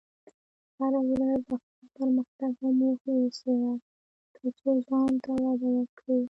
هره ورځ خپل پرمختګ او موخې وڅېړه، ترڅو ځان ته وده ورکړې.